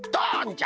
じゃ。